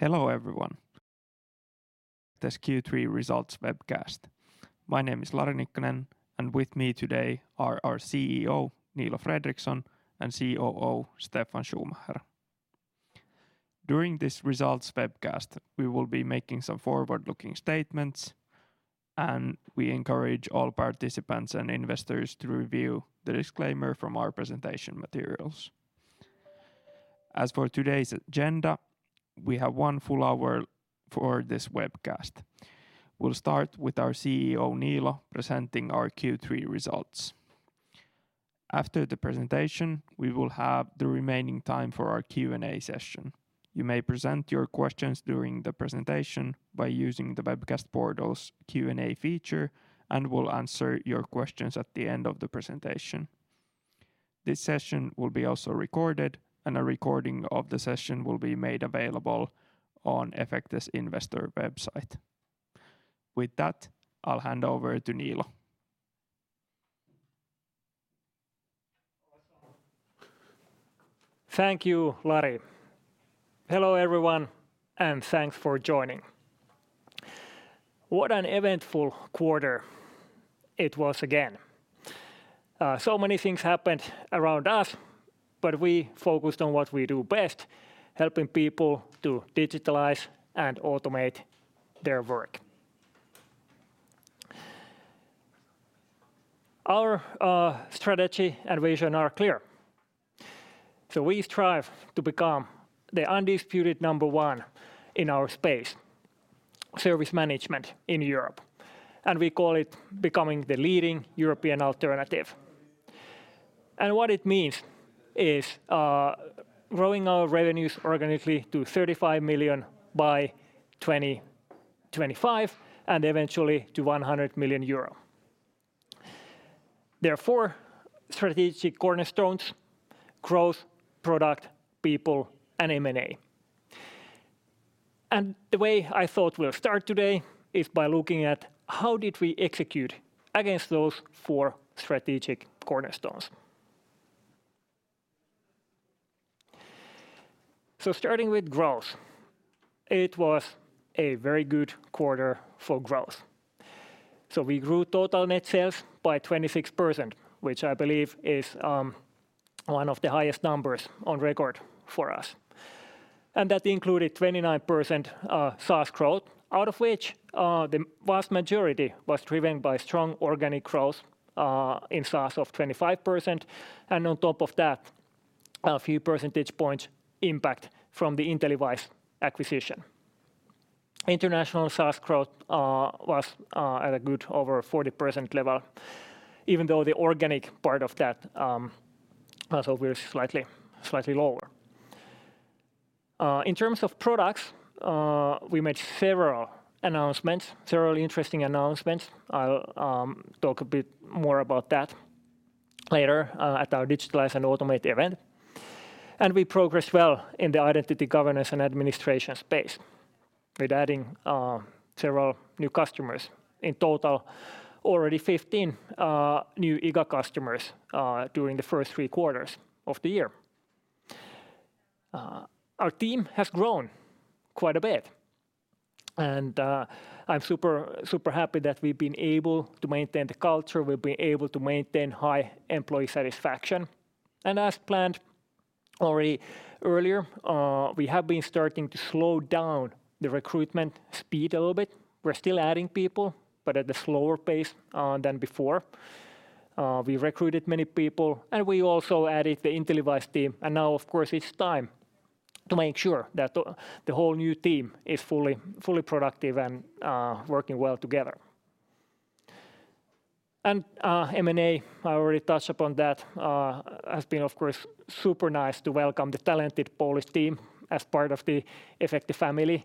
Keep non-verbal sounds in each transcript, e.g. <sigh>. Hello everyone. This Q3 results webcast. My name is Lari Nikkanen, and with me today are our CEO, Niilo Fredrikson, and COO, Steffan Schumacher. During this results webcast, we will be making some forward-looking statements, and we encourage all participants and investors to review the disclaimer from our presentation materials. As for today's agenda, we have 1 full hour for this webcast. We'll start with our CEO, Niilo, presenting our Q3 results. After the presentation, we will have the remaining time for our Q&A session. You may present your questions during the presentation by using the webcast portal's Q&A feature, and we'll answer your questions at the end of the presentation. This session will be also recorded, and a recording of the session will be made available on 's investor website. With that, I'll hand over to Niilo. Thank you, Lari. Hello everyone. Thanks for joining. What an eventful quarter it was again. Many things happened around us, but we focused on what we do best, helping people to Digitalize and Automate their work. Our strategy and vision are clear. We strive to become the undisputed number one in our space, service management in Europe. We call it becoming the leading European alternative. What it means is growing our revenues organically to 35 million by 2025 and eventually to EUR 100 million. There are four strategic cornerstones: growth, product, people, and M&A. The way I thought we'll start today is by looking at how did we execute against those four strategic cornerstones. Starting with growth, it was a very good quarter for growth. We grew total net sales by 26%, which I believe is one of the highest numbers on record for us. That included 29% SaaS growth, out of which the vast majority was driven by strong organic growth in SaaS of 25%, and on top of that, a few percentage points impact from the InteliWISE acquisition. International SaaS growth was at a good over 40% level even though the organic part of that was over slightly lower. In terms of products, we made several announcements, several interesting announcements. I'll talk a bit more about that later at our Digitalize and Automate event. We progressed well in the identity governance and administration space with adding several new customers. In total, already 15 new IGA customers during the first three quarters of the year. Our team has grown quite a bit, and I'm super happy that we've been able to maintain the culture, we've been able to maintain high employee satisfaction. As planned already earlier, we have been starting to slow down the recruitment speed a little bit. We're still adding people, but at a slower pace than before. We recruited many people, and we also added the InteliWISE team, and now of course, it's time to make sure that the whole new team is fully productive and working well together. M&A, I already touched upon that, has been, of course, super nice to welcome the talented Polish team as part of the Efecte family.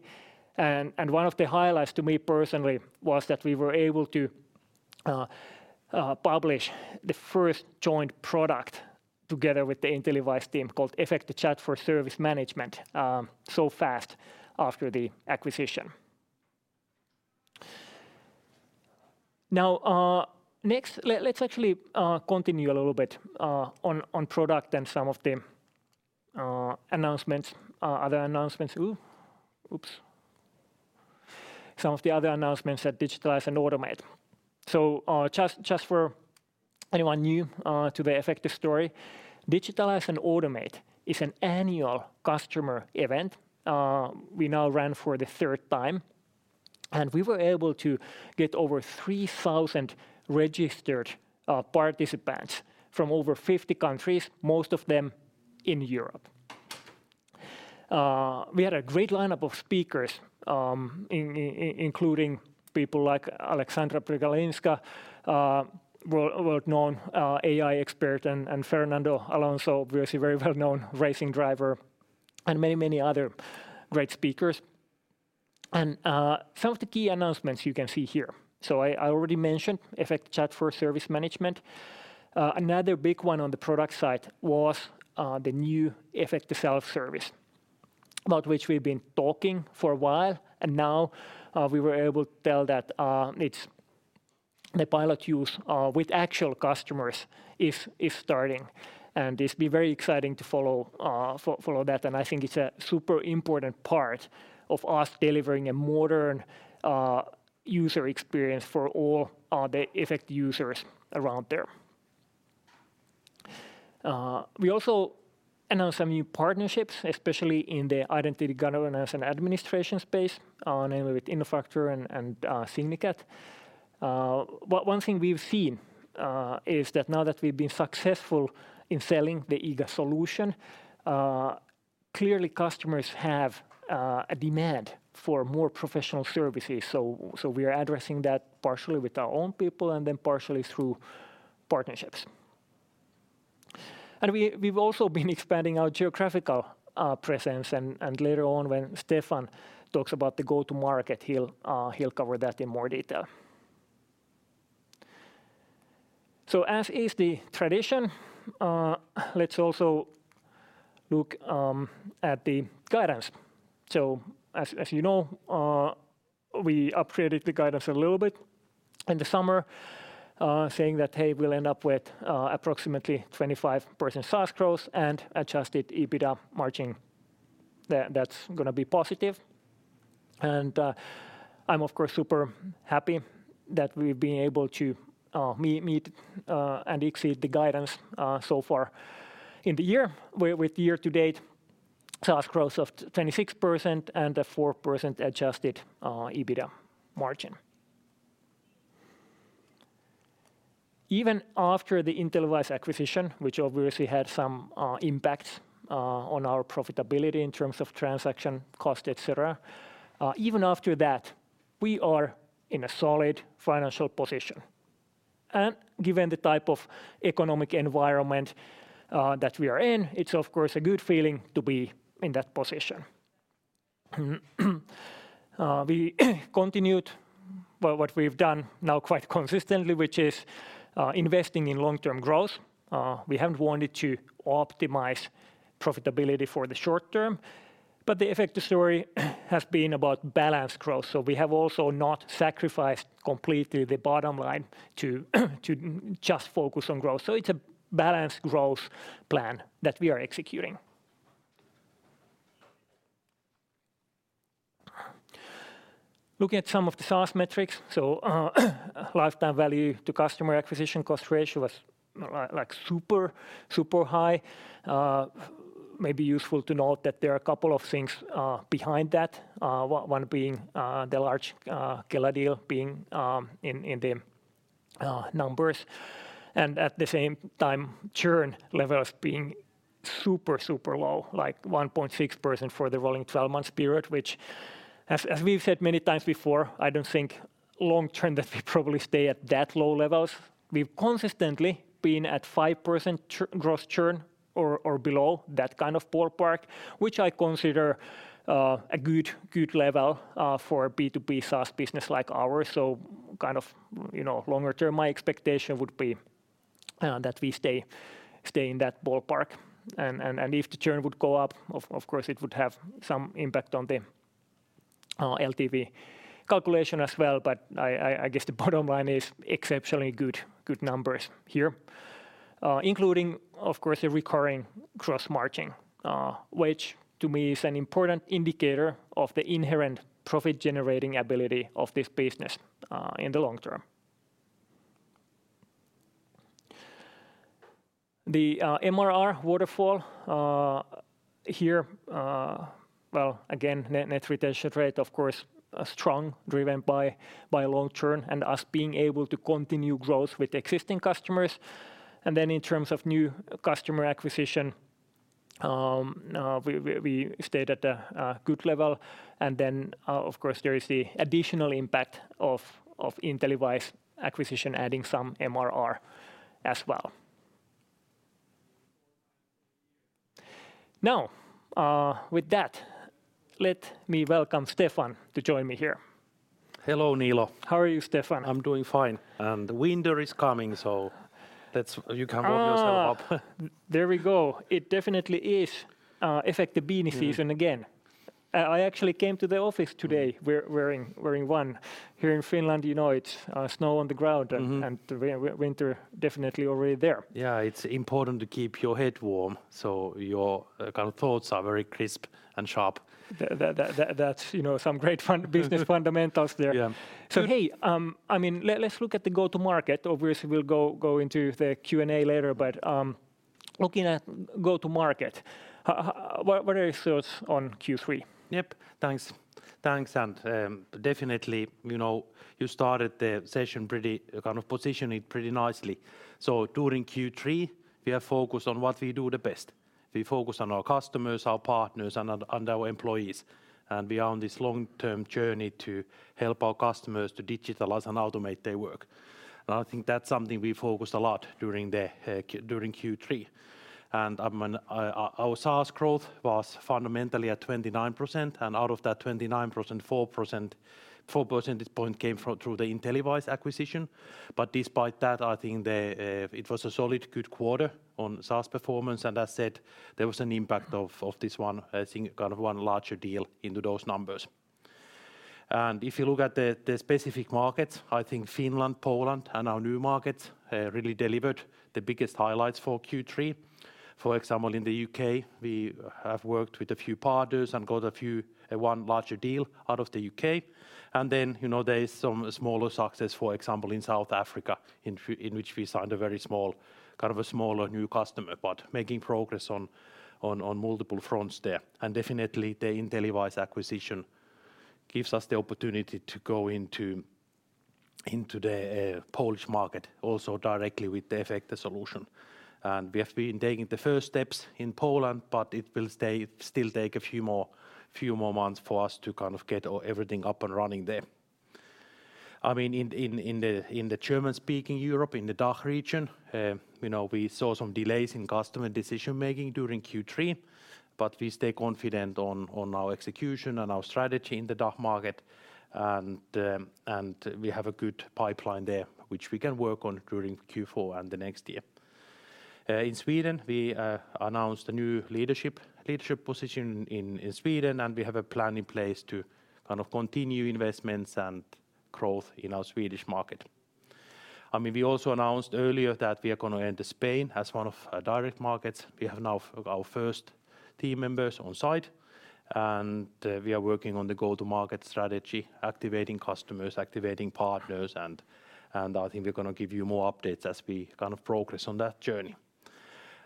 One of the highlights to me personally was that we were able to publish the first joint product together with the InteliWISE team called Efecte Chat for Service Management so fast after the acquisition. Next, let's actually continue a little bit on product and some of the announcements, other announcements. Some of the other announcements at Digitalize and Automate. Just for anyone new to the Efecte story, Digitalize and Automate is an annual customer event we now ran for the third time, and we were able to get over 3,000 registered participants from over 50 countries, most of them in Europe. We had a great lineup of speakers, including people like Aleksandra Przegalińska, world-known AI expert and Fernando Alonso, obviously very well-known racing driver, and many, many other great speakers. Some of the key announcements you can see here. I already mentioned Efecte Chat for Service Management. Another big one on the product side was the new Efecte Self-Service, about which we've been talking for a while, and now we were able to tell that The pilot use with actual customers is starting, and this will be very exciting to follow that. I think it's a super important part of us delivering a modern user experience for all the Efecte users around there. We also announced some new partnerships, especially in the identity governance and administration space, namely with Innofactor and Signicat. One thing we've seen is that now that we've been successful in selling the IGA solution, clearly customers have a demand for more professional services. We are addressing that partially with our own people and then partially through partnerships. We've also been expanding our geographical presence, and later on when Steffan talks about the go-to-market, he'll cover that in more detail. As is the tradition, let's also look at the guidance. As you know, we upgraded the guidance a little bit in the summer, saying that, hey, we'll end up with approximately 25% SaaS growth and adjusted EBITDA margin that's gonna be positive. I'm of course super happy that we've been able to meet and exceed the guidance so far in the year with year to date SaaS growth of 26% and a 4% adjusted EBITDA margin. Even after the InteliWISE acquisition, which obviously had some impact on our profitability in terms of transaction cost, et cetera. Even after that, we are in a solid financial position, and given the type of economic environment that we are in, it's of course a good feeling to be in that position. We continued, well, what we've done now quite consistently, which is investing in long-term growth. we haven't wanted to optimize profitability for the short term, but the Efecte story has been about balanced growth, so we have also not sacrificed completely the bottom line to just focus on growth. It's a balanced growth plan that we are executing. Looking at some of the SaaS metrics. lifetime value to customer acquisition cost ratio was like super high. Maybe useful to note that there are a couple of things behind that. One being the large Kela deal being in the numbers and at the same time churn levels being super low, like 1.6% for the rolling 12 months period, which as we've said many times before, I don't think long term that they probably stay at that low levels. We've consistently been at 5% gross churn or below that kind of ballpark, which I consider a good level for a B2B SaaS business like ours. Kind of, you know, longer term, my expectation would be that we stay in that ballpark and if the churn would go up, of course, it would have some impact on the LTV calculation as well. I guess the bottom line is exceptionally good numbers here. Including of course, a Recurring Gross Margin, which to me is an important indicator of the inherent profit generating ability of this business in the long term. The MRR waterfall here. Well again, Net Retention Rate, of course, strong driven by long-term and us being able to continue growth with existing customers. In terms of new customer acquisition, we stayed at a good level. Of course there is the additional impact of InteliWISE acquisition, adding some MRR as well. Now, with that, let me welcome Steffan to join me here. Hello, Niilo. How are you, Steffan? I'm doing fine. Winter is coming, so you can <crosstalk> warm yourself up. There we go. It definitely is Efecte the beanie season again. I actually came to the office today wearing one. Here in Finland, you know, it's snow on the ground. Mm-hmm And the winter definitely already there. Yeah. It's important to keep your head warm, so your kind of thoughts are very crisp and sharp. That's, you know, some great fun business fundamentals there. Yeah. Hey, I mean, let's look at the go to market. Obviously, we'll go into the Q&A later, but, looking at go to market, what are your thoughts on Q3? Yep. Thanks. Definitely, you know, you started the session pretty kind of positioning pretty nicely. During Q3, we are focused on what we do the best. We focus on our customers, our partners, and our employees. We are on this long-term journey to help our customers to digitalize and automate their work. I think that's something we focused a lot during Q3. I mean, our SaaS growth was fundamentally at 29%, and out of that 29%, 4 percentage point came through the InteliWISE acquisition. Despite that, I think it was a solid good quarter on SaaS performance. As said, there was an impact of this one, I think kind of one larger deal into those numbers. If you look at the specific markets, I think Finland, Poland, and our new markets really delivered the biggest highlights for Q3. For example, in the U.K., we have worked with a few partners and got one larger deal out of the U.K. Then, you know, there is some smaller success, for example, in South Africa, in which we signed a very small, kind of a smaller new customer. Making progress on multiple fronts there. Definitely the InteliWISE acquisition gives us the opportunity to go into the Polish market also directly with the Efecte solution. We have been taking the first steps in Poland, it will still take a few more months for us to kind of get everything up and running there. I mean, in the German-speaking Europe, in the DACH region, you know, we saw some delays in customer decision-making during Q3, but we stay confident on our execution and our strategy in the DACH market. We have a good pipeline there, which we can work on during Q4 and the next year. In Sweden, we announced a new leadership position in Sweden, and we have a plan in place to kind of continue investments and growth in our Swedish market. I mean, we also announced earlier that we are gonna enter Spain as one of our direct markets. We have now our first team members on site, and we are working on the go-to-market strategy, activating customers, activating partners, and I think we're gonna give you more updates as we kind of progress on that journey.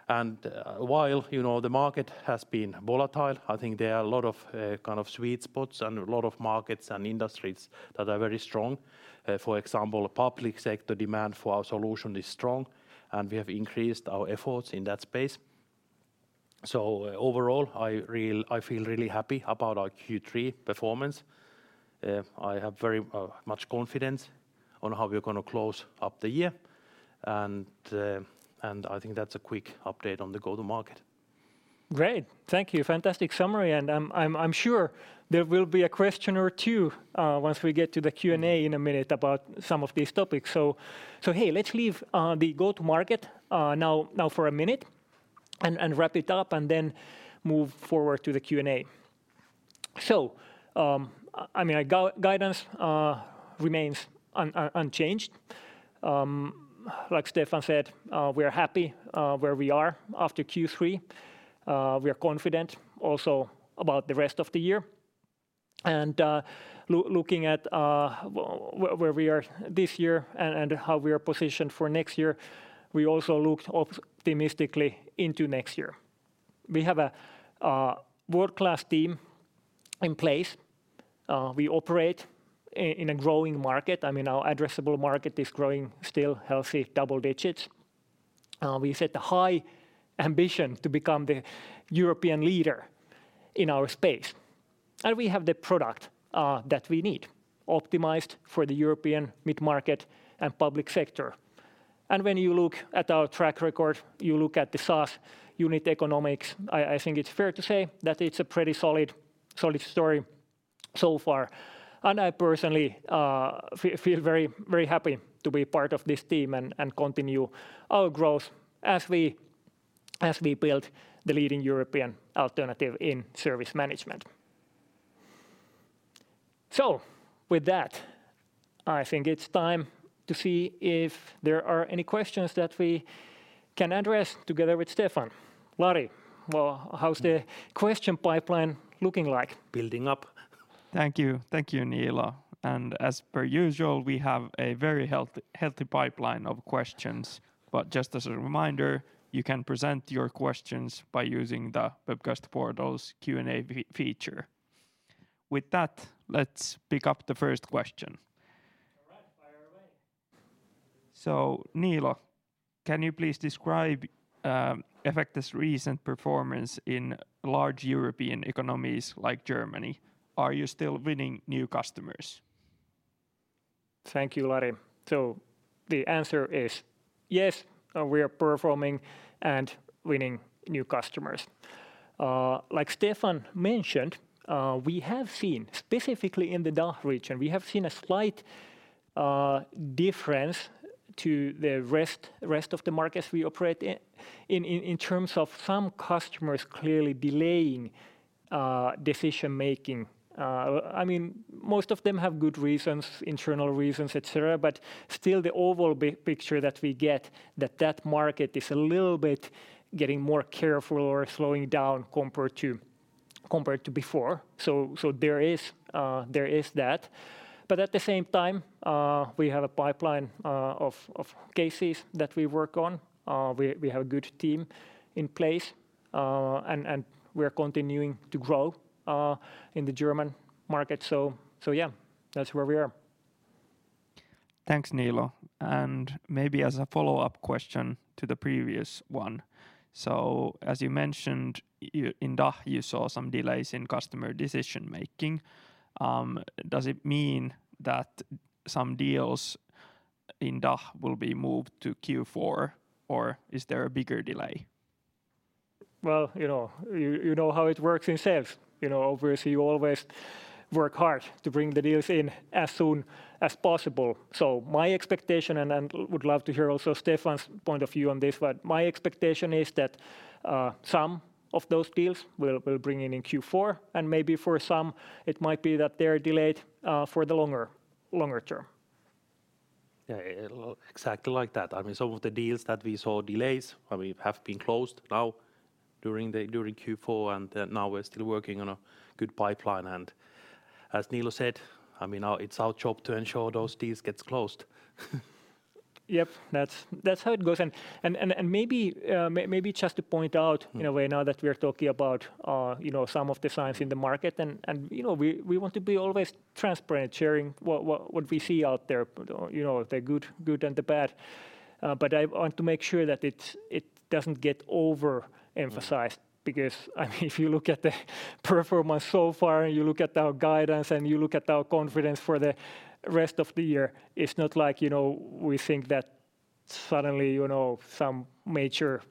While, you know, the market has been volatile, I think there are a lot of kind of sweet spots and a lot of markets and industries that are very strong. For example, public sector demand for our solution is strong, and we have increased our efforts in that space. Overall, I feel really happy about our Q3 performance. I have very much confidence on how we're gonna close up the year. I think that's a quick update on the go-to-market. Great. Thank you. Fantastic summary. I'm sure there will be a question or two once we get to the Q&A in a minute about some of these topics. Hey, let's leave the go-to-market now for a minute and wrap it up and then move forward to the Q&A. I mean, our guidance remains unchanged. Like Steffan said, we're happy where we are after Q3. We are confident also about the rest of the year. Looking at where we are this year and how we are positioned for next year, we also look optimistically into next year. We have a world-class team in place. We operate in a growing market. I mean, our addressable market is growing still healthy double digits. We set a high ambition to become the European leader in our space. We have the product that we need optimized for the European mid-market and public sector. When you look at our track record, you look at the SaaS unit economics, I think it's fair to say that it's a pretty solid story so far. I personally feel very, very happy to be part of this team and continue our growth as we build the leading European alternative in service management. With that, I think it's time to see if there are any questions that we can address together with Steffan. Lari, well, how's the question pipeline looking like? Building up. Thank you. Thank you, Niilo. As per usual, we have a very healthy pipeline of questions. Just as a reminder, you can present your questions by using the webcast portal's Q&A feature. With that, let's pick up the first question. All right. Fire away. Niilo, can you please describe Efecte's recent performance in large European economies like Germany? Are you still winning new customers? Thank you, Lari. The answer is yes, we are performing and winning new customers. Like Steffan mentioned, we have seen, specifically in the DACH region, we have seen a slight difference to the rest of the markets we operate in terms of some customers clearly delaying decision-making. I mean, most of them have good reasons, internal reasons, et cetera, but still the overall picture that we get that that market is a little bit getting more careful or slowing down compared to before. There is that. At the same time, we have a pipeline of cases that we work on. We have a good team in place. And we're continuing to grow in the German market. Yeah, that's where we are. Thanks, Niilo. Maybe as a follow-up question to the previous one. As you mentioned, in DACH, you saw some delays in customer decision-making. Does it mean that some deals in DACH will be moved to Q4, or is there a bigger delay? Well, you know, you know how it works in sales. You know, obviously, you always work hard to bring the deals in as soon as possible. My expectation, and I would love to hear also Steffan's point of view on this, but my expectation is that some of those deals we'll bring in in Q4, and maybe for some it might be that they're delayed for the longer term. Yeah, exactly like that. I mean, some of the deals that we saw delays, I mean, have been closed now during the, during Q4, and now we're still working on a good pipeline. As Niilo said, I mean, it's our job to ensure those deals gets closed. Yep. That's how it goes. Maybe just to point out in a way now that we're talking about, you know, some of the signs in the market, you know, we want to be always transparent sharing what we see out there, you know, the good and the bad. I want to make sure that it doesn't get overemphasized because, I mean, if you look at the performance so far and you look at our guidance and you look at our confidence for the rest of the year, it's not like, you know, we think that suddenly, you know, some major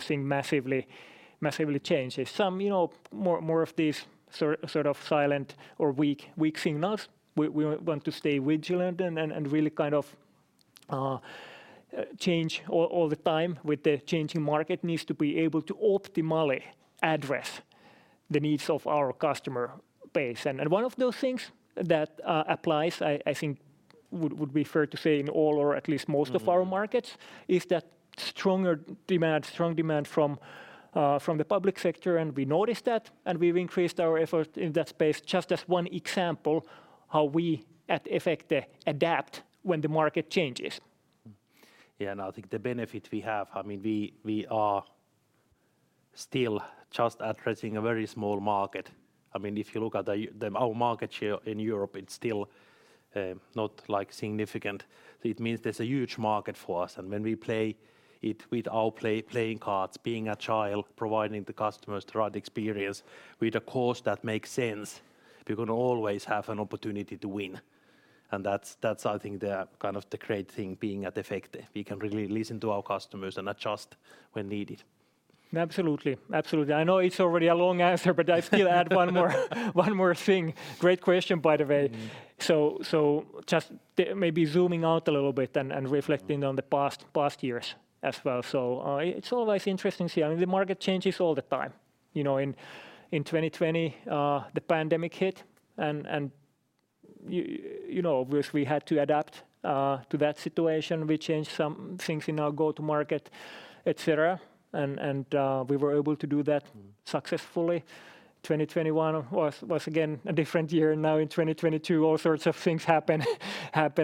thing massively changes. Some, you know, more of these sort of silent or weak signals. We want to stay vigilant and really kind of change all the time with the changing market needs to be able to optimally address the needs of our customer base. One of those things that applies, I think would be fair to say in all or at least most of our markets, is that stronger demand, strong demand from the public sector, and we noticed that, and we've increased our effort in that space just as one example how we at Efecte adapt when the market changes. Yeah. I think the benefit we have, I mean, we are still just addressing a very small market. I mean, if you look at our market share in Europe, it's still not, like, significant. It means there's a huge market for us. When we play it with our playing cards, being agile, providing the customers the right experience with a cost that makes sense, we're gonna always have an opportunity to win, and that's, I think, the kind of the great thing being at Efecte. We can really listen to our customers and adjust when needed. Absolutely. Absolutely. I know it's already a long answer, but I still add one more thing. Great question, by the way. just maybe zooming out a little bit and reflecting on the past years as well. it's always interesting to see. I mean, the market changes all the time. You know, in 2020, the pandemic hit and you know, obviously we had to adapt to that situation. We changed some things in our go-to market, et cetera, and we were able to do that successfully. 2021 was again a different year. Now in 2022, all sorts of things happen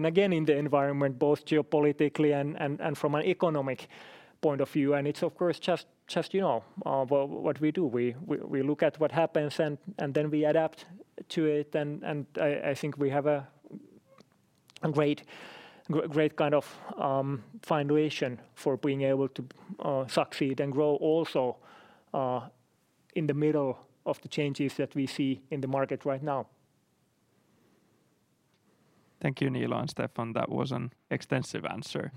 again in the environment, both geopolitically and from an economic point of view. it's of course just, you know, what we do. We look at what happens and then we adapt to it and I think we have a great kind of foundation for being able to succeed and grow also in the middle of the changes that we see in the market right now. Thank you, Niilo and Steffan. That was an extensive answer.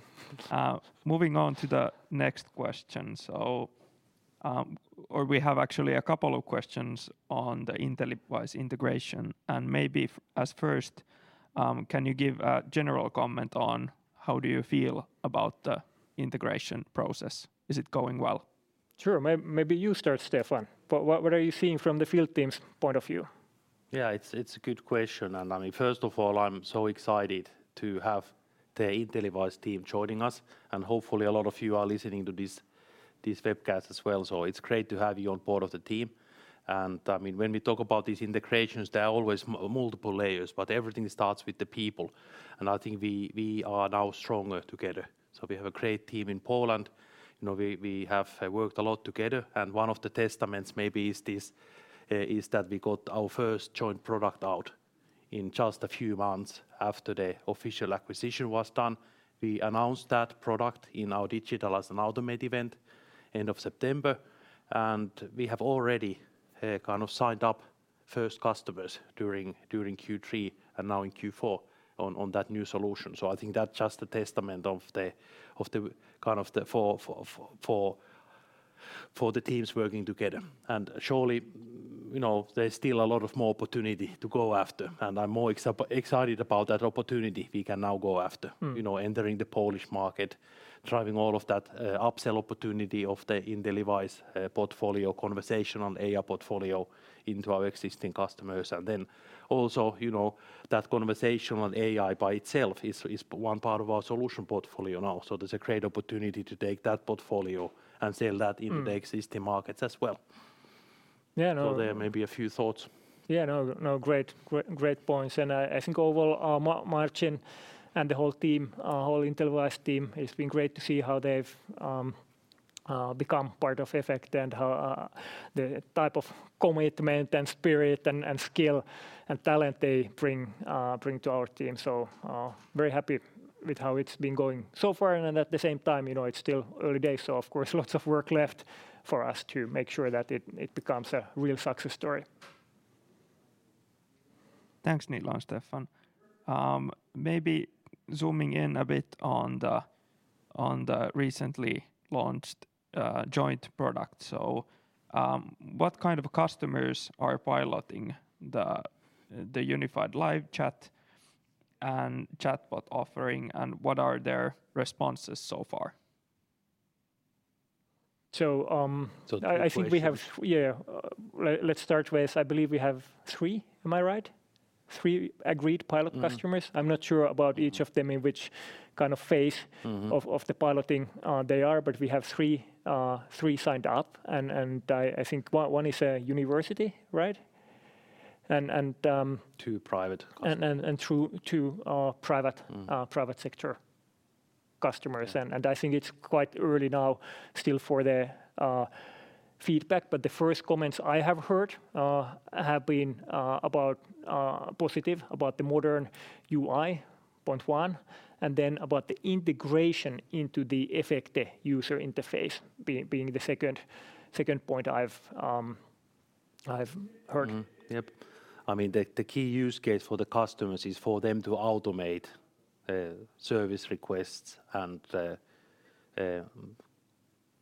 Moving on to the next question. We have actually a couple of questions on the InteliWISE integration. Maybe as first, can you give a general comment on how do you feel about the integration process? Is it going well? Sure. Maybe you start, Steffan. What are you seeing from the field team's point of view? It's a good question. I mean, first of all, I'm so excited to have the InteliWISE team joining us, and hopefully a lot of you are listening to this webcast as well. It's great to have you on board of the team. I mean, when we talk about these integrations, there are always multiple layers, but everything starts with the people, and I think we are now stronger together. We have a great team in Poland. You know, we have worked a lot together, and one of the testaments maybe is this, is that we got our first joint product out in just a few months after the official acquisition was done. We announced that product in our Digitalize and Automate event end of September. We have already, kind of signed up first customers during Q3 and now in Q4 on that new solution. I think that's just a testament of the kind of the for the teams working together. Surely, you know, there's still a lot of more opportunity to go after, and I'm more excited about that opportunity we can now go after. Mm. You know, entering the Polish market, driving all of that, upsell opportunity of the InteliWISE, portfolio conversational AI portfolio into our existing customers. Also, you know, that conversational AI by itself is one part of our solution portfolio now. There's a great opportunity to take that portfolio and sell that into. Mm The existing markets as well. Yeah, no. There may be a few thoughts. No, no. Great, great points. I think overall Marcin and the whole team, whole InteliWISE team, it's been great to see how they've become part of Efecte and how the type of commitment and spirit and skill and talent they bring to our team. Very happy with how it's been going so far. At the same time, you know, it's still early days, of course lots of work left for us to make sure that it becomes a real success story. Thanks, Niilo and Steffan. Maybe zooming in a bit on the, on the recently launched, joint product. What kind of customers are piloting the unified live chat and chatbot offering, and what are their responses so far? So, um, I <crosstalk> think we have. Yeah. Let's start with, I believe we have three. Am I right? Three agreed pilot <crosstalk> customers. Mm-hmm. I'm not sure about each of them in which kind of phase. Mm-hmm Of the piloting, they are. We have three signed up. I think one is a university, right? Two private customers. Two private. Mm Private sector customers. I think it's quite early now still for the feedback, but the first comments I have heard have been about positive about the modern UI, point one, and then about the integration into the Efecte user interface being the second point I've heard. Yep. I mean, the key use case for the customers is for them to automate service requests and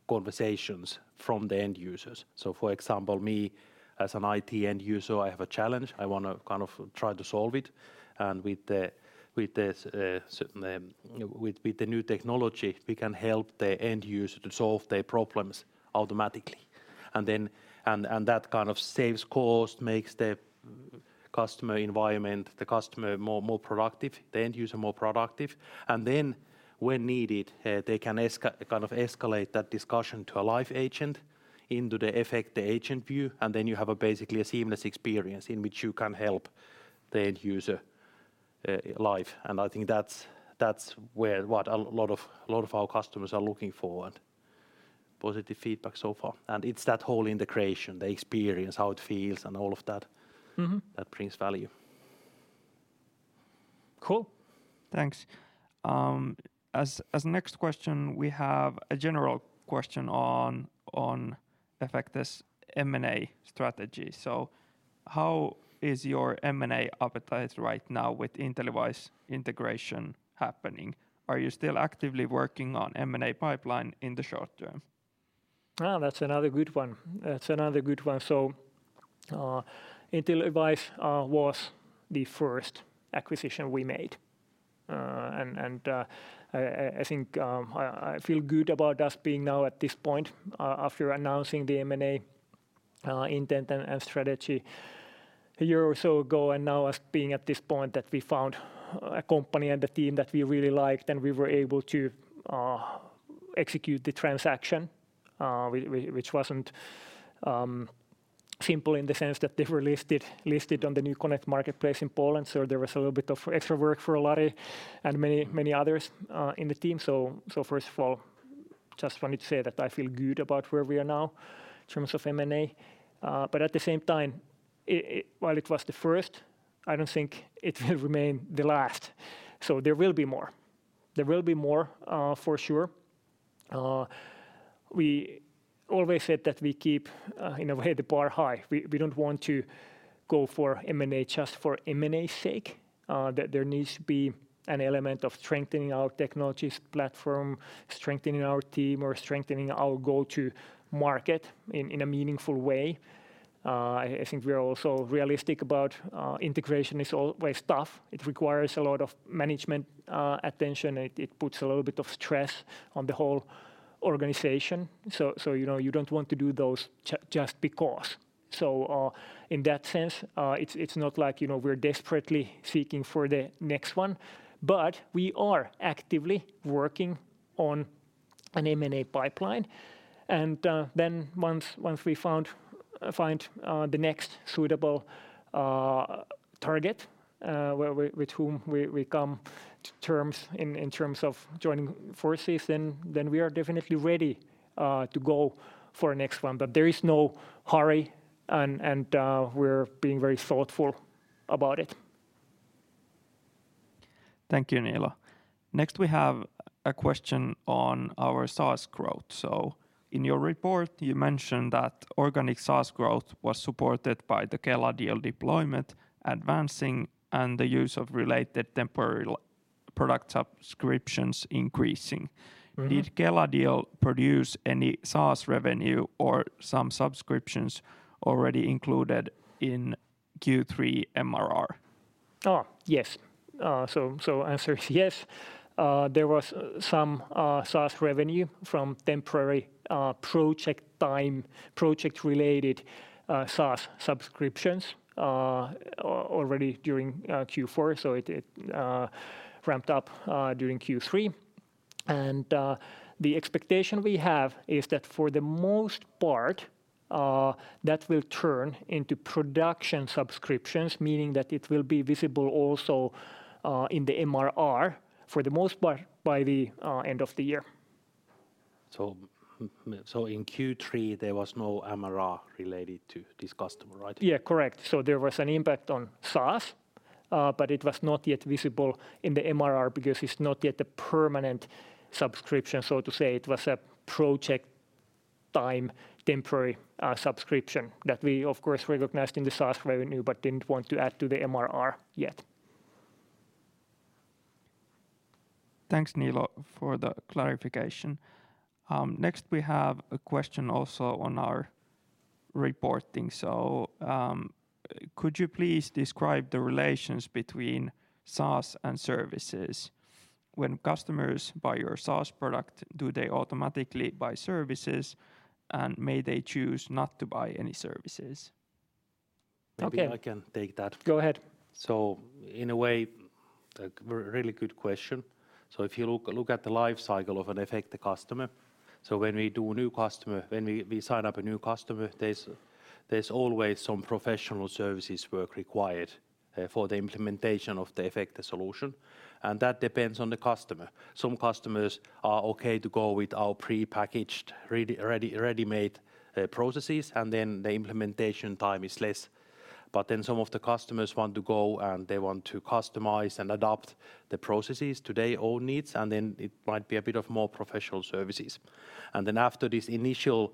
conversations from the end users. For example, me as an IT end user, I have a challenge. I wanna kind of try to solve it, and with the certain new technology, we can help the end user to solve their problems automatically. That kind of saves cost, makes the customer environment, the customer more productive, the end user more productive. When needed, they can kind of escalate that discussion to a live agent into the Efecte agent view, and then you have a basically a seamless experience in which you can help the end user live. I think that's where what a lot of our customers are looking for, and positive feedback so far. It's that whole integration, the experience, how it feels, and all of that. Mm-hmm That brings value. Cool. Thanks. As next question, we have a general question on Efecte's M&A strategy. How is your M&A appetite right now with InteliWISE integration happening? Are you still actively working on M&A pipeline in the short term? That's another good one. That's another good one. InteliWISE was the first acquisition we made. I think I feel good about us being now at this point after announcing the M&A intent and strategy a year or so ago, and now us being at this point that we found a company and a team that we really liked, and we were able to execute the transaction, which wasn't simple in the sense that they were listed on the NewConnect marketplace in Poland, so there was a little bit of extra work for Lari and many others in the team. First of all, just wanted to say that I feel good about where we are now in terms of M&A. At the same time, while it was the first, I don't think it will remain the last. There will be more. There will be more, for sure. We always said that we keep, in a way, the bar high. We don't want to go for M&A just for M&A's sake, that there needs to be an element of strengthening our technologies platform, strengthening our team, or strengthening our go-to-market in a meaningful way. I think we are also realistic about, integration is always tough. It requires a lot of management, attention. It puts a little bit of stress on the whole organization. You know, you don't want to do those just because. In that sense, it's not like, you know, we're desperately seeking for the next one. We are actively working on an M&A pipeline, and then once we found, find the next suitable target with whom we come to terms in terms of joining forces, then we are definitely ready to go for a next one. There is no hurry, and we're being very thoughtful about it. Thank you, Niilo. Next, we have a question on our SaaS growth. In your report, you mentioned that organic SaaS growth was supported by the Kela deal deployment advancing and the use of related temporary product subscriptions increasing. Mm-hmm. Did Kela deal produce any SaaS revenue or some subscriptions already included in Q3 MRR? Yes. Answer is yes. There was some SaaS revenue from temporary, project time, project-related, SaaS subscriptions, already during Q4, so it ramped up during Q3. The expectation we have is that for the most part, that will turn into production subscriptions, meaning that it will be visible also, in the MRR for the most part by the end of the year. In Q3, there was no MRR related to this customer, right? Yeah, correct. There was an impact on SaaS, but it was not yet visible in the MRR because it's not yet a permanent subscription, so to say. It was a project time temporary, subscription that we of course recognized in the SaaS revenue but didn't want to add to the MRR yet. Thanks, Niilo, for the clarification. Next we have a question also on our reporting. Could you please describe the relations between SaaS and services? When customers buy your SaaS product, do they automatically buy services? May they choose not to buy any services? Okay. <crosstalk> Maybe <crosstalk> I can take that. Go ahead. In a way, a really good question. If you look at the life cycle of an Efecte customer, when we do a new customer, when we sign up a new customer, there's always some professional services work required for the implementation of the Efecte solution, and that depends on the customer. Some customers are okay to go with our prepackaged ready-made processes, and then the implementation time is less. Some of the customers want to go and they want to customize and adapt the processes to their own needs, and then it might be a bit of more professional services. After this initial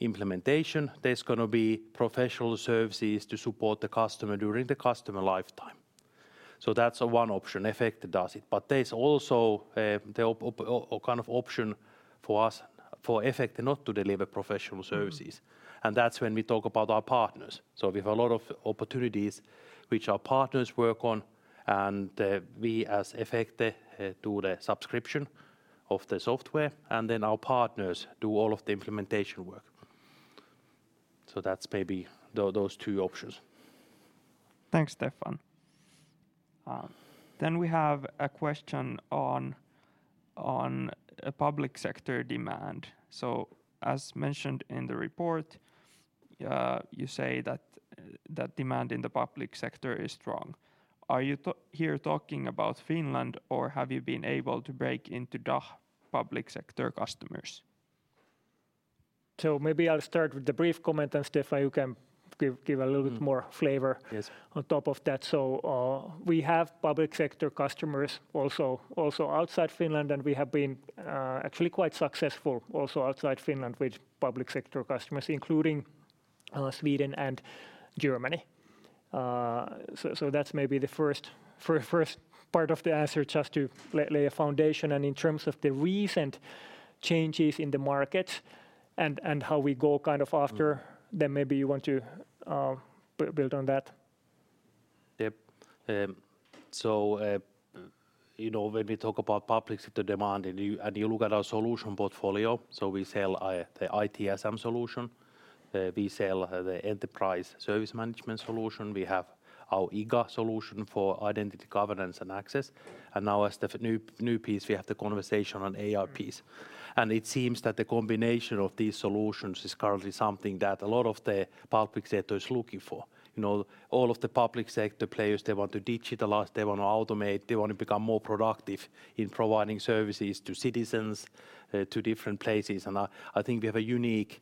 implementation, there's gonna be professional services to support the customer during the customer lifetime. That's one option, Efecte does it. There's also the option for us, for Efecte not to deliver professional services. Mm-hmm. That's when we talk about our partners. We have a lot of opportunities which our partners work on, and we as Efecte do the subscription of the software, and then our partners do all of the implementation work. That's maybe those two options. Thanks, Steffan. We have a question on a public sector demand. As mentioned in the report, you say that demand in the public sector is strong. Are you here talking about Finland, or have you been able to break into DACH public sector customers? Maybe I'll start with the brief comment, and Steffan, you can give a little. Mm Bit more flavor. Yes On top of that. We have public sector customers also outside Finland, and we have been, actually quite successful also outside Finland with public sector customers, including, Sweden and Germany. That's maybe the first part of the answer, just to lay a foundation. In terms of the recent changes in the market and how we go kind of after. Mm Maybe you want to build on that. You know, when we talk about public sector demand and you look at our solution portfolio, we sell the ITSM solution. We sell the enterprise service management solution. We have our IGA solution for identity governance and access. Now as the new piece, we have the conversational AI piece. It seems that the combination of these solutions is currently something that a lot of the public sector is looking for. You know, all of the public sector players, they want to digitalize, they wanna automate, they wanna become more productive in providing services to citizens, to different places. I think we have a unique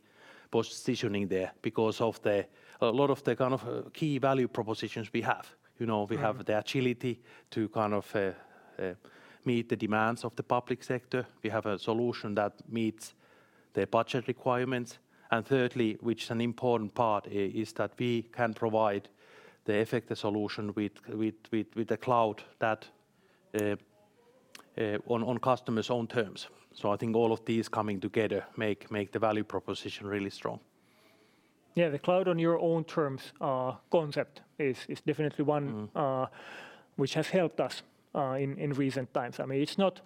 positioning there because of the a lot of the kind of key value propositions we have. You know. Mm-hmm We have the agility to kind of meet the demands of the public sector. We have a solution that meets their budget requirements. Thirdly, which is an important part, is that we can provide the Efecte solution with the cloud that on customer's own terms. I think all of these coming together make the value proposition really strong. Yeah. The Cloud on your own terms concept is definitely one. Mm Which has helped us in recent times. I mean, it's not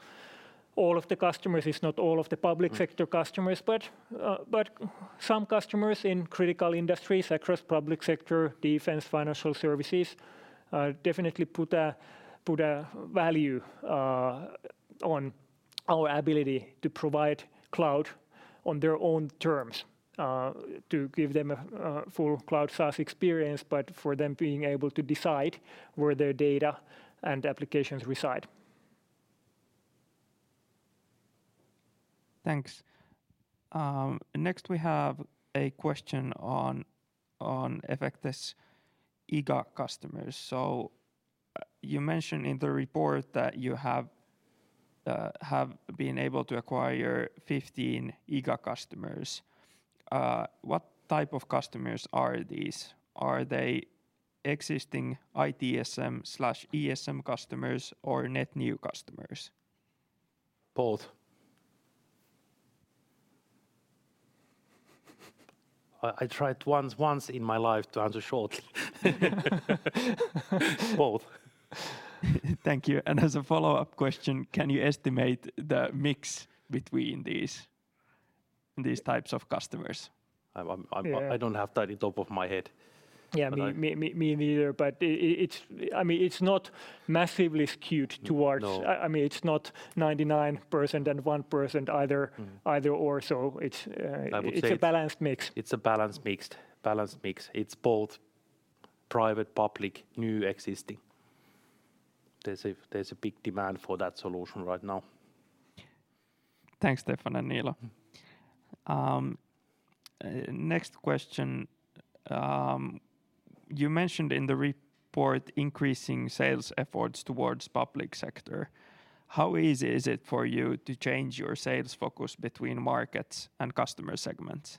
all of the customers, it's not all of the public sector customers. Mm. Some customers in critical industries across public sector, defense, financial services, definitely put a value on our ability to provide Cloud on their own terms, to give them a full Cloud SaaS experience, but for them being able to decide where their data and applications reside. Thanks. Next we have a question on Efecte's IGA customers. You mention in the report that you have been able to acquire 15 IGA customers. What type of customers are these? Are they existing ITSM/ESM customers or net new customers? Both. I tried once in my life to answer shortly. Both. Thank you. As a follow-up question, can you estimate the mix between these types of customers? I'm. <crosstalk> Yeah I don't have that in top of my head. Yeah. <crosstalk> Me neither, but it's, I mean, it's not massivel skewed towards. No I mean, it's not 99% and 1% either Mm Either or, so it's. I would <crosstalk> say. it's a balanced mix. It's a balanced mix. It's both private, public, new, existing. There's a, there's a big demand for that solution right now. Thanks, Steffan and Niilo. Next question. You mentioned in the report increasing sales efforts towards public sector. How easy is it for you to change your sales focus between markets and customer segments?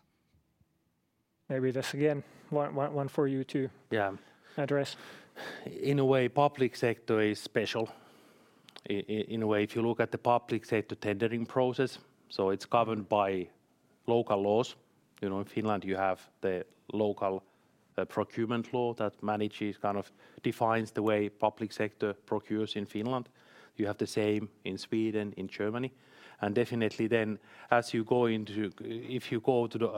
Maybe this, again, one for you. Yeah Address. In a way, public sector is special in a way, if you look at the public sector tendering process, so it's governed by local laws. You know, in Finland, you have the local, procurement law that manages, kind of defines the way public sector procures in Finland. You have the same in Sweden, in Germany. Definitely then if you go to the,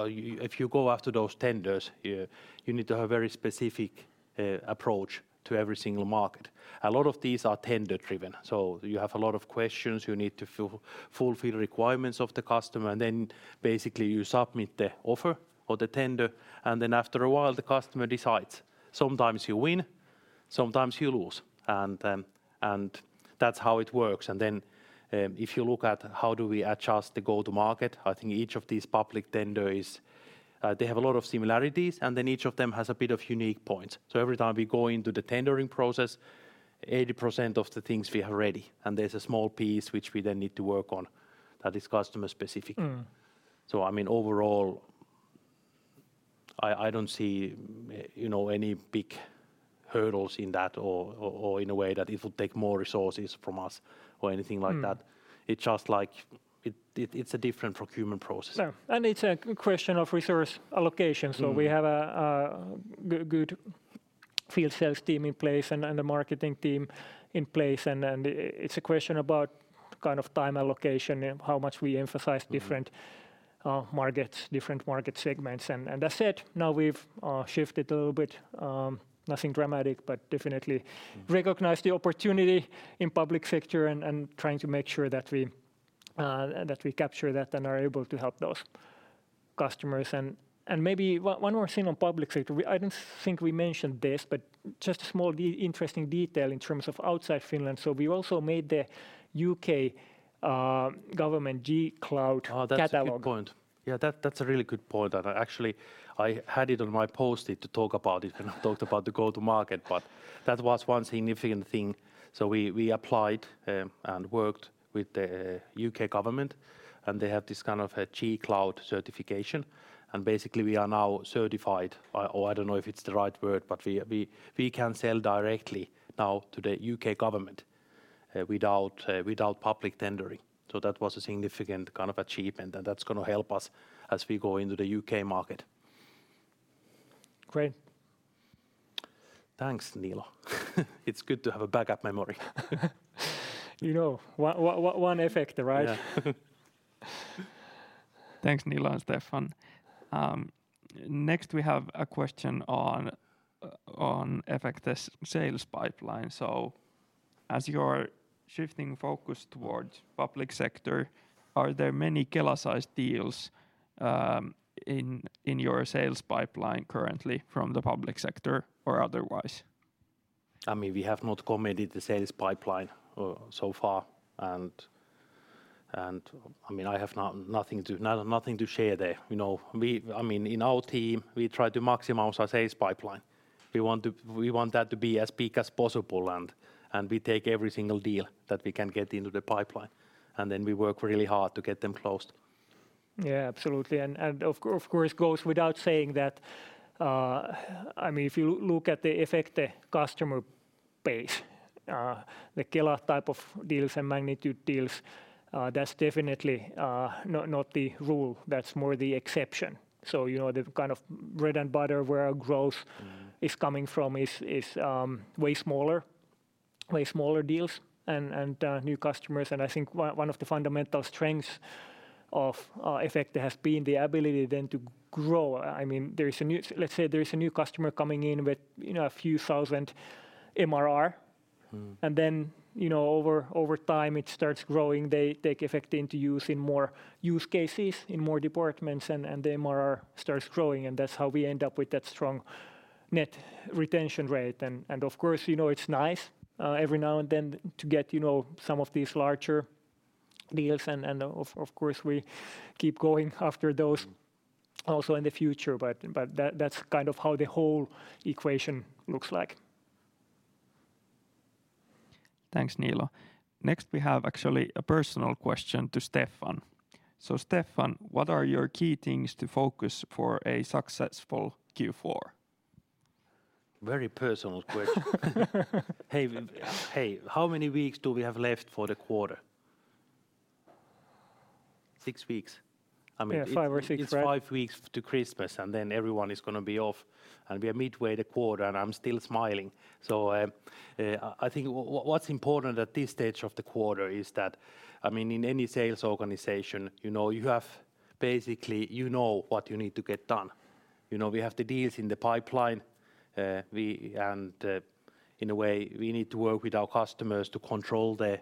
if you go after those tenders, you need to have very specific approach to every single market. A lot of these are tender-driven, so you have a lot of questions. You need to fulfill requirements of the customer, and then basically you submit the offer or the tender, and then after a while, the customer decides. Sometimes you win, sometimes you lose, and that's how it works. If you look at how do we adjust the go-to-market, I think each of these public tender is, they have a lot of similarities, and then each of them has a bit of unique points. Every time we go into the tendering process, 80% of the things we are ready, and there's a small piece which we then need to work on that is customer-specific. Mm. I mean, overall, I don't see, you know, any big hurdles in that or in a way that it will take more resources from us or anything like that. Mm. It's just like it's a different procurement process. No. It's a question of resource allocation. Mm. We have a good field sales team in place and a marketing team in place, and then it's a question about kind of time allocation and how much we emphasize different markets, different market segments. That said, now we've shifted a little bit, nothing dramatic recognized the opportunity in public sector and trying to make sure that we capture that and are able to help those customers. Maybe one more thing on public sector. I don't think we mentioned this, but just a small interesting detail in terms of outside Finland. We also made the U.K. government G-Cloud <crosstalk> catalog. That's <crosstalk> a good point. Yeah. That's a really good point that I actually, I had it on my Post-it to talk about it when I talked about the go-to-market, that was one significant thing. We applied and worked with the UK Government, they have this kind of a G-Cloud certification, basically we are now certified or, I don't know if it's the right word, we can sell directly now to the UK Government without public tendering. That was a significant kind of achievement, that's gonna help us as we go into the UK market. Great. Thanks, Niilo. It's good to have a backup memory. You know, one Efecte, right? Yeah. Thanks, Niilo and Steffan. Next, we have a question on on Efecte's sales pipeline. As you're shifting focus towards public sector, are there many Kela-sized deals in your sales pipeline currently from the public sector or otherwise? I mean, we have not commented the sales pipeline so far. I mean, I have nothing to share there. You know, we. I mean, in our team, we try to maximize our sales pipeline. We want that to be as big as possible. We take every single deal that we can get into the pipeline. Then we work really hard to get them closed. Yeah, absolutely. Of course, goes without saying that, I mean, if you look at the Efecte customer base, the Kela type of deals and magnitude deals, that's definitely not the rule. That's more the exception. You know, the kind of bread and butter where our growth is coming from is way smaller deals and new customers. I think one of the fundamental strengths of Efecte has been the ability then to grow. I mean, let's say there is a new customer coming in with, you know, a few thousand MRR. Mm. You know, over time, it starts growing. They take Efecte into use in more use cases, in more departments, and the MRR starts growing, and that's how we end up with that strong Net Retention Rate. Of course, you know, it's nice, every now and then to get, you know, some of these larger deals, and of course, we keep going after those also in the future, but that's kind of how the whole equation looks like. Thanks, Niilo. Next, we have actually a personal question to Steffan. Steffan, what are your key things to focus for a successful Q4? Very personal question. Hey, hey, how many weeks do we have left for the quarter? 6 weeks. I <crosstalk> mean. Yeah. Five <crosstalk> or six, right It's five weeks to Christmas, and then everyone is gonna be off, and we are midway the quarter, and I'm still smiling. I think what's important at this stage of the quarter is that, I mean, in any sales organization, you know, you have basically, you know what you need to get done. You know, we have the deals in the pipeline. In a way, we need to work with our customers to control the,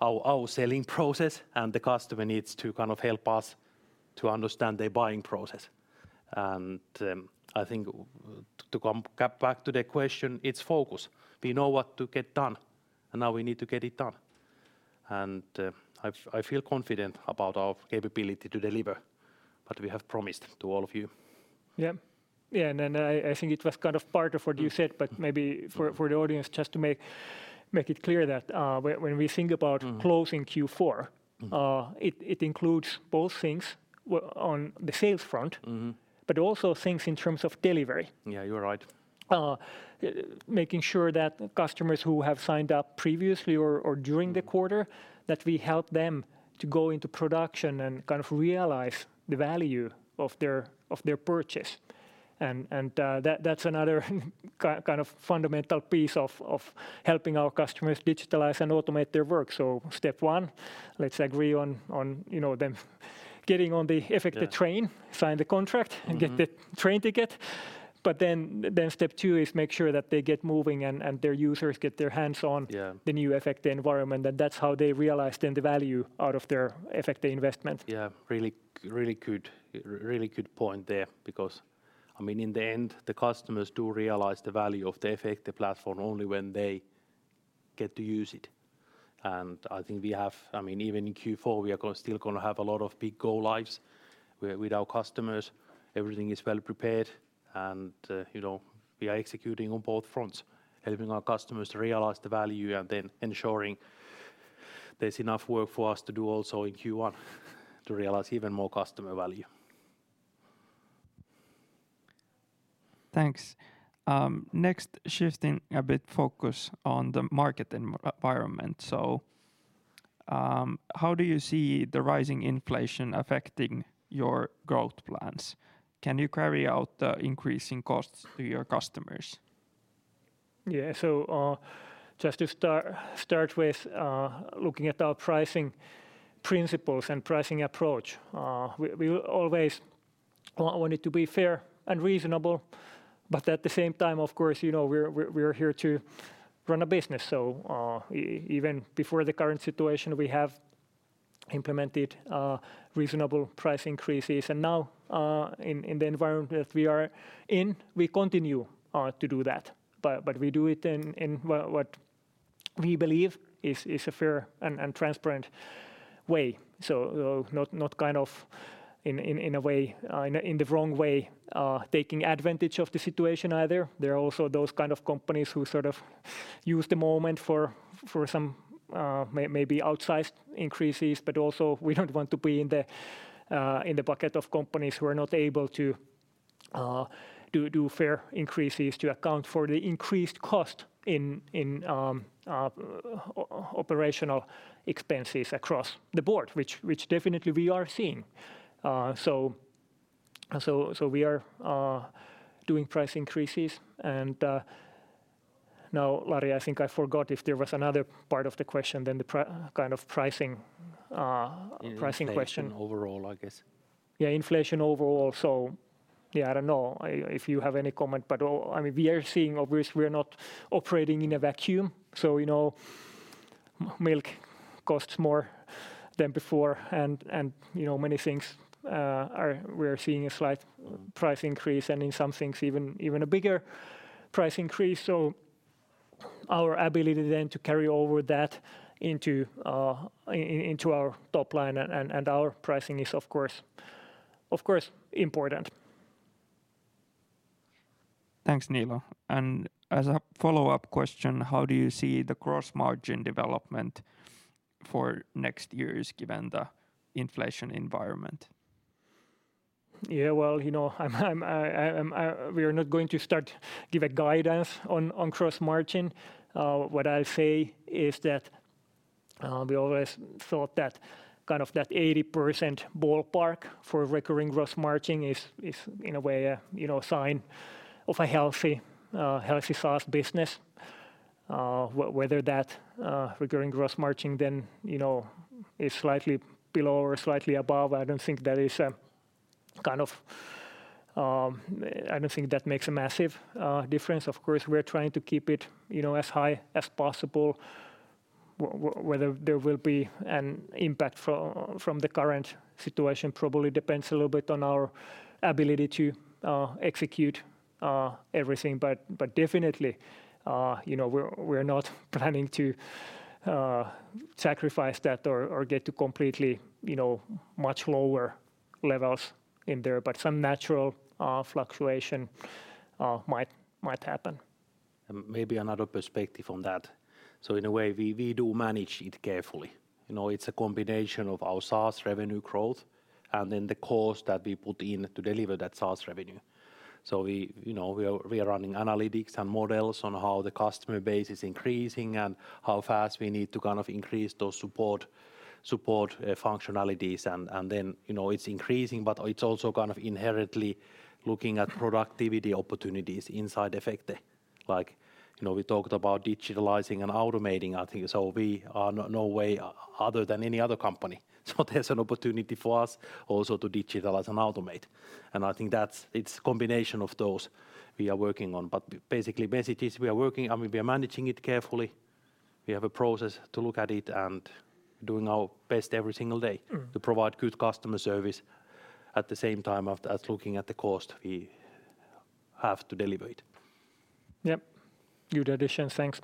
our selling process, and the customer needs to kind of help us to understand their buying process. I think to come back to the question, it's focus. We know what to get done, and now we need to get it done. I feel confident about our capability to deliver what we have promised to all of you. Yeah. Then I think it was kind of part of what you said, but maybe for the audience, just to make it clear that when we think about closing Q4. Mm It includes both things on the sales front. Mm But also things in terms of delivery. Yeah, you're right. Making sure that customers who have signed up previously or during the quarter, that we help them to go into production and kind of realize the value of their purchase. That's another kind of fundamental piece of helping our customers Digitalize and Automate their work. Step one, let's agree on, you know, them getting on the <crosstalk> Efecte train. Yeah Sign the contract. Mm-hmm And get the train ticket. Then step 2 is make sure that they get moving and their users get their hands on. Yeah The new Efecte environment. That's how they realize then the value out of their Efecte investment. Yeah. Really, really good, really good point there because, I mean, in the end, the customers do realize the value of the Efecte platform only when they get to use it. I mean, even in Q4, we are gonna still gonna have a lot of big go lives with our customers. Everything is well prepared, and, you know, we are executing on both fronts, helping our customers realize the value and then ensuring there's enough work for us to do also in Q1 to realize even more customer value. Thanks. Next, shifting a bit focus on the market environment. How do you see the rising inflation affecting your growth plans? Can you carry out the increasing costs to your customers? Just to start with, looking at our pricing principles and pricing approach, we will always want it to be fair and reasonable. At the same time, of course, you know, we're here to run a business. Even before the current situation, we have implemented reasonable price increases. Now, in the environment that we are in, we continue to do that. We do it in what we believe is a fair and transparent way. Not kind of in a way, in the wrong way, taking advantage of the situation either. There are also those kind of companies who sort of use the moment for some maybe outsized increases. Also we don't want to be in the bucket of companies who are not able to do fair increases to account for the increased cost in operational expenses across the board, which definitely we are seeing. We are doing price increases. Now, Lari, I think I forgot if there was another part of the question than the kind of <crosstalk> pricing question. Inflation overall, I guess. Yeah, inflation overall. Yeah, I don't know if you have any comment, but I mean, we are seeing, obviously, we're not operating in a vacuum, so we know milk costs more than before and, you know, many things, we're seeing a slight price increase and in some things even a bigger price increase. Our ability then to carry over that into our top line and our pricing is, of course important. Thanks, Niilo. As a follow-up question, how do you see the gross margin development for next years given the inflation environment? Yeah. Well, you know, We are not going to start give a guidance on gross margin. What I'll say is that we always thought that kind of that 80% ballpark for Recurring Gross Margin is in a way you know, sign of a healthy healthy SaaS business. Whether that Recurring Gross Margin then, you know, is slightly below or slightly above, I don't think that is a kind of I don't think that makes a massive difference. Of course, we're trying to keep it, you know, as high as possible. Whether there will be an impact from the current situation probably depends a little bit on our ability to execute everything. Definitely, you know, we're not planning to sacrifice that or get to completely, you know, much lower levels in there, but some natural fluctuation might happen. Maybe another perspective on that. In a way, we do manage it carefully. You know, it's a combination of our SaaS revenue growth and then the cost that we put in to deliver that SaaS revenue. We, you know, we are running analytics and models on how the customer base is increasing and how fast we need to kind of increase those support functionalities and then, you know, it's increasing, but it's also kind of inherently looking at productivity opportunities inside Efecte. Like, you know, we talked about Digitalize and Automate, I think. We are no way other than any other company. There's an opportunity for us also to Digitalize and Automate, and I think that's it's combination of those we are working on. Basically, message is we are working, I mean, we are managing it carefully. We have a process to look at it and doing our best every single day. Mm-hmm To provide good customer service at the same time as looking at the cost we have to deliver it. Yep. Good addition. Thanks.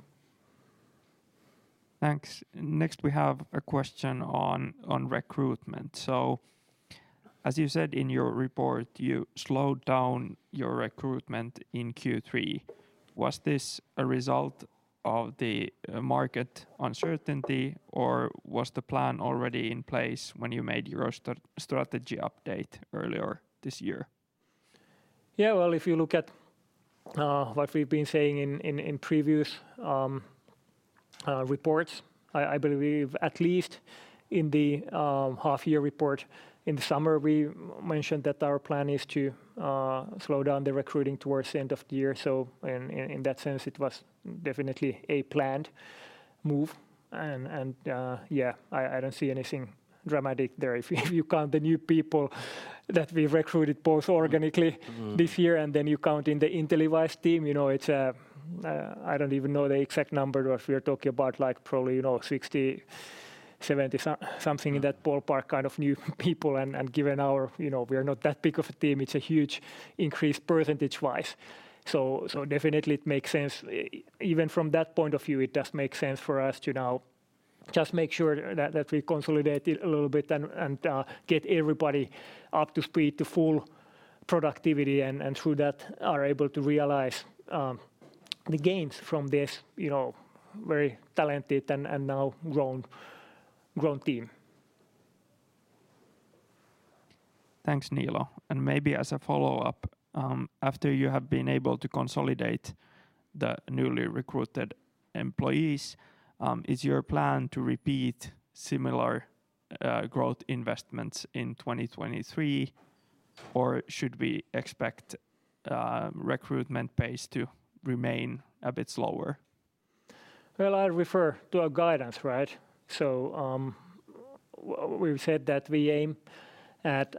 Thanks. Next, we have a question on recruitment. As you said in your report, you slowed down your recruitment in Q3. Was this a result of the market uncertainty or was the plan already in place when you made your strategy update earlier this year? Yeah. Well, if you look at what we've been saying in previous reports, I believe at least in the half year report in the summer we mentioned that our plan is to slow down the recruiting towards the end of the year. In that sense, it was definitely a planned move. And yeah, I don't see anything dramatic there. If you count the new people that we recruited both organically. Mm-hmm This year, then you count in the InteliWISE team, you know, it's, I don't even know the exact number, but we are talking about like probably, you know, 60, 70 something in that ballpark kind of new people. Given our, you know, we are not that big of a team, it's a huge increase percentage-wise. Definitely it makes sense. Even from that point of view, it does make sense for us to now just make sure that we consolidate it a little bit and get everybody up to speed to full productivity and through that are able to realize the gains from this, you know, very talented and now grown team. Thanks, Niilo. Maybe as a follow-up, after you have been able to consolidate the newly recruited employees, is your plan to repeat similar growth investments in 2023 or should we expect recruitment pace to remain a bit slower? I'll refer to our guidance, right? We've said that we aim at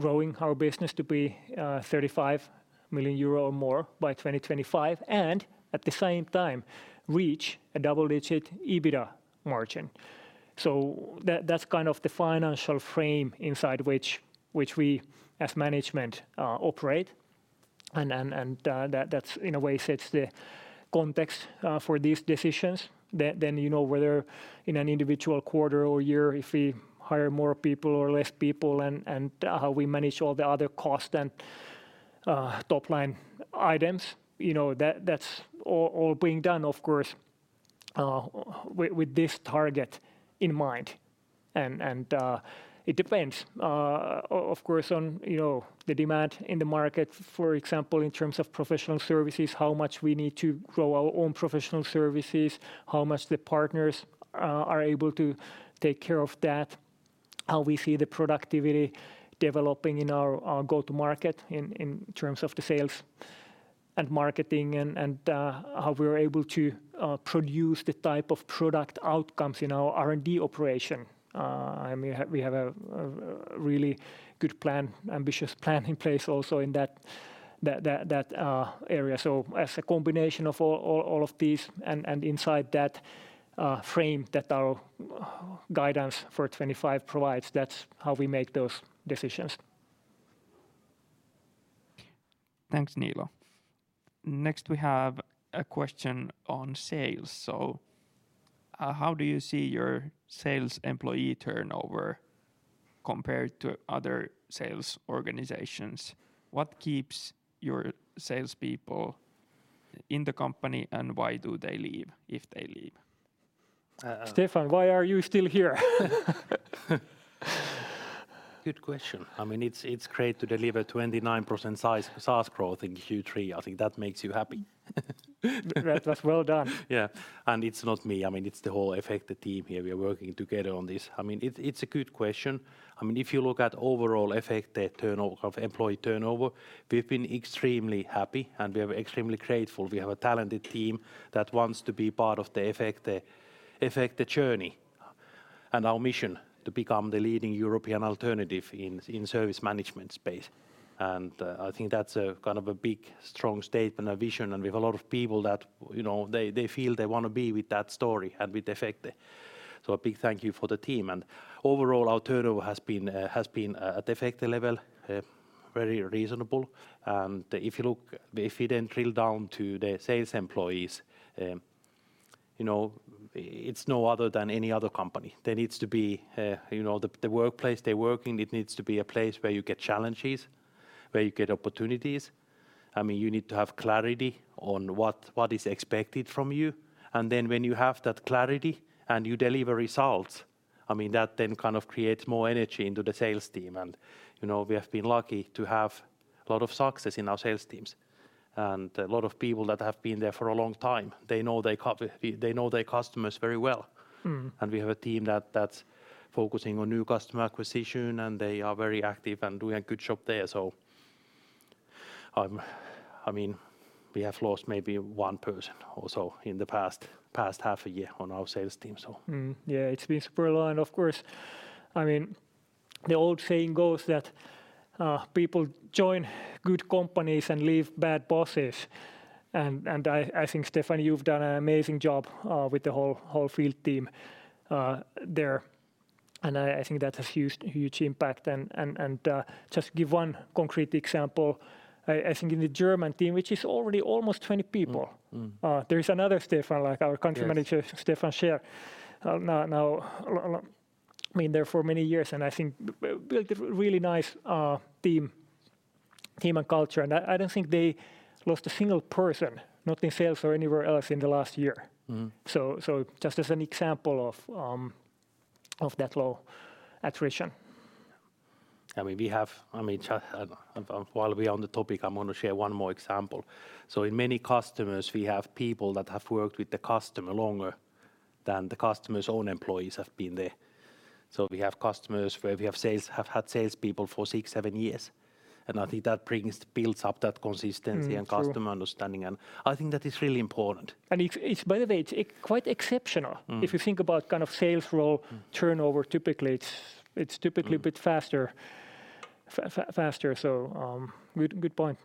growing our business to be 35 million euro or more by 2025 and at the same time reach a double-digit EBITDA margin. That's kind of the financial frame inside which we as management operate. That's in a way sets the context for these decisions. You know, whether in an individual quarter or year, if we hire more people or less people and how we manage all the other cost and top line items, you know, that's all being done, of course, with this target in mind. It depends, of course, on, you know, the demand in the market, for example, in terms of professional services, how much we need to grow our own professional services, how much the partners are able to take care of that, how we see the productivity developing in our go-to market in terms of the sales and marketing and how we're able to produce the type of product outcomes in our R&D operation. I mean, we have a really good plan, ambitious plan in place also in that area. As a combination of all of these and inside that frame that our guidance for 2025 provides, that's how we make those decisions. Thanks, Niilo. Next we have a question on sales. How do you see your sales employee turnover compared to other sales organizations? What keeps your salespeople in the company and why do they leave if they leave? Uh. <crosstalk> Steffan, why are you still here? Good question. I mean, it's great to deliver 29% size- SaaS growth in Q3. I think that makes you happy. That was well done. Yeah. It's not me. I mean, it's the whole Efecte team here. We are working together on this. I mean, it's a good question. I mean, if you look at overall Efecte turnover, of employee turnover, we've been extremely happy and we are extremely grateful. We have a talented team that wants to be part of the Efecte journey and our mission to become the leading European alternative in service management space. I think that's a kind of a big strong statement, a vision, and we have a lot of people that, you know, they feel they wanna be with that story and with Efecte. A big thank you for the team. Overall our turnover has been has been at Efecte level very reasonable. If you look. If you then drill down to the sales employees, you know, it's no other than any other company. There needs to be, you know, the workplace they work in, it needs to be a place where you get challenges, where you get opportunities. I mean, you need to have clarity on what is expected from you. When you have that clarity and you deliver results, I mean, that then kind of creates more energy into the sales team. You know, we have been lucky to have a lot of success in our sales teams. A lot of people that have been there for a long time, they know their customers very well. Mm-hmm. We have a team that's focusing on new customer acquisition, and they are very active and doing a good job there. I mean, we have lost maybe one person or so in the past half a year on our sales team, so. Mm-hmm. Yeah. It's been super aligned, of course. I mean, the old saying goes that people join good companies and leave bad bosses. I think, Steffan, you've done an amazing job with the whole field team there. I think that has huge impact. Just give one concrete example. I think in the German team, which is already almost 20 people. Mm-hmm. There is another Steffan, like our country manager. Yes Steffan Schumacher. now, been there for many years, and I think built a really nice, team and culture. I don't think they lost a single person, not in sales or anywhere else in the last year. Mm-hmm. Just as an example of that low attrition. I mean, while we're on the topic, I'm gonna share one more example. In many customers, we have people that have worked with the customer longer than the customer's own employees have been there. We have customers where we have sales, have had salespeople for six, seven years, and I think that builds up that consistency. Sure. And <crosstalk> customer understanding and I think that is really important. It's, by the way, it's quite exceptional. Mm. If you think about kind of sales role turnover. Mm Typically, it's a bit faster, so, good point.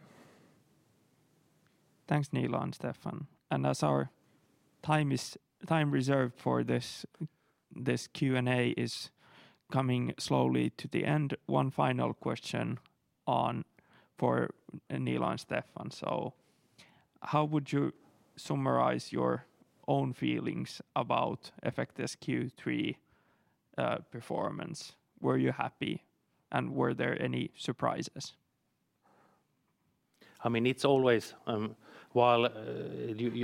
Thanks, Niilo and Steffan. As our time reserved for this Q&A is coming slowly to the end, one final question on, for Niilo and Steffan. How would you summarize your own feelings about Efecte's Q3 performance? Were you happy and were there any surprises? I mean, it's always, while,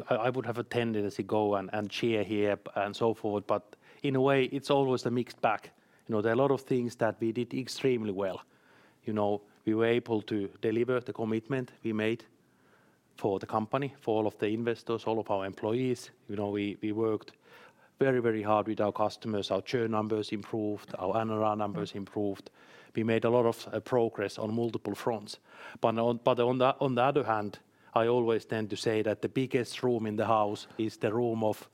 I would have a tendency go and cheer here and so forth, in a way it's always a mixed bag. You know, there are a lot of things that we did extremely well. You know, we were able to deliver the commitment we made for the company, for all of the investors, all of our employees. You know, we worked very, very hard with our customers. Our churn numbers improved, our NRR numbers improved. Mm. We made a lot of progress on multiple fronts. On the other hand, I always tend to say that the biggest room in the house is the room of.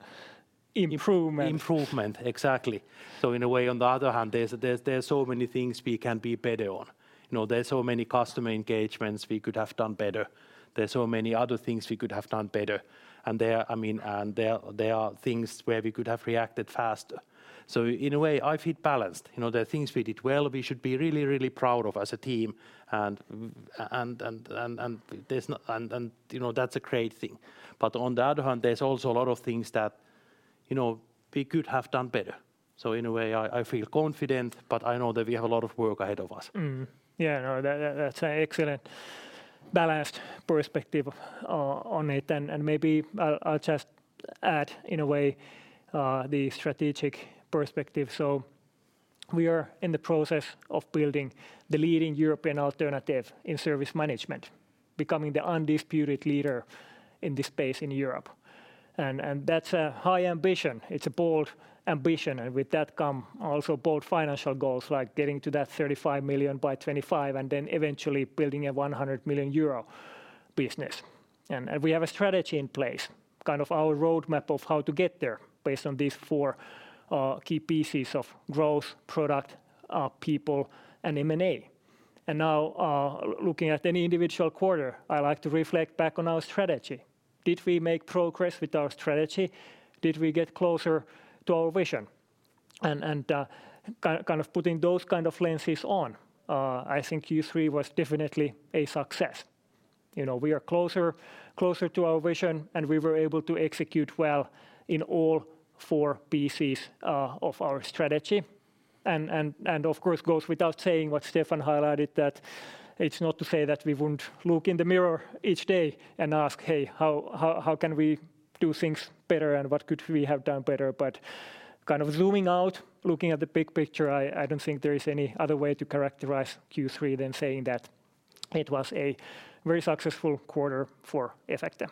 Improvement Improvement. Exactly. In a way, on the other hand, there's so many things we can be better on. You know, there's so many customer engagements we could have done better. There's so many other things we could have done better. I mean, there are things where we could have reacted faster. In a way I feel balanced. You know, there are things we did well we should be really, really proud of as a team and, you know, that's a great thing. On the other hand, there's also a lot of things that, you know, we could have done better. In a way I feel confident, but I know that we have a lot of work ahead of us. Yeah. No. That's an excellent balanced perspective on it. Maybe I'll just add in a way, the strategic perspective. We are in the process of building the leading European alternative in service management, becoming the undisputed leader in this space in Europe and that's a high ambition. It's a bold ambition and with that come also bold financial goals like getting to that 35 million by 2025, and then eventually building a 100 million euro business. We have a strategy in place, kind of our roadmap of how to get there based on these four key pieces of growth, product, people and M&A. Now, looking at any individual quarter, I like to reflect back on our strategy. Did we make progress with our strategy? Did we get closer to our vision? Kind of putting those kind of lenses on, I think Q3 was definitely a success. You know, we are closer to our vision, and we were able to execute well in all four pieces of our strategy. Of course goes without saying what Steffan highlighted, that it's not to say that we wouldn't look in the mirror each day and ask, "Hey, how can we do things better? And what could we have done better?" Kind of zooming out, looking at the big picture, I don't think there is any other way to characterize Q3 than saying that it was a very successful quarter for Efecte.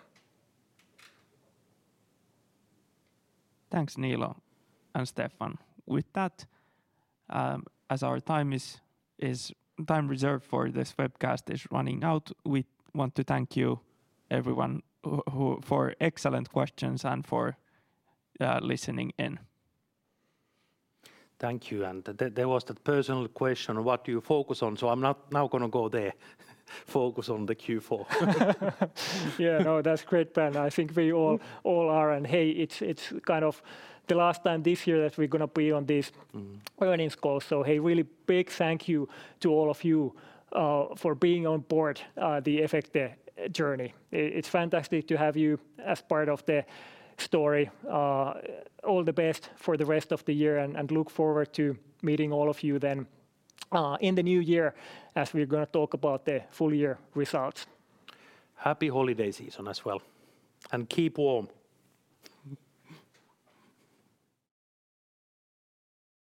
Thanks, Niilo and Steffan. With that, as our time is time reserved for this webcast is running out, we want to thank you everyone who, for excellent questions and for listening in. Thank you. There was that personal question, what do you focus on? I'm not now going to go there. Focus on the Q4. Yeah. No, that's great plan. I think we all are. hey, it's kind of the last time this year that we're gonna be on this. Mm Earnings call. Hey, really big thank you to all of you for being on board the Efecte journey. It's fantastic to have you as part of the story. All the best for the rest of the year and look forward to meeting all of you then in the new year as we're gonna talk about the full year results. Happy holiday season as well. Keep warm.